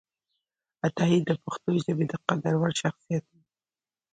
عطایي د پښتو ژبې د قدر وړ شخصیت و